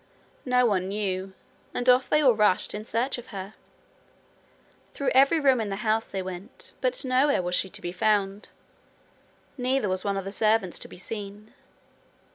No one knew, and off they all rushed in search of her. Through every room in the house they went, but nowhere was she to be found. Neither was one of the servants to be seen.